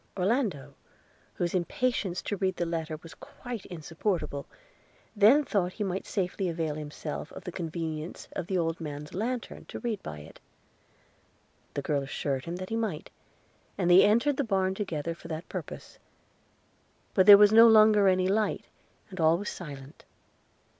Orlando, whose impatience to read the letter was quite insupportable, then thought he might safely avail himself of the convenience of the old man's lantern to read by it. The girl assured him he might, and they entered the barn together for that purpose; but there was no longer any light, and all was silent.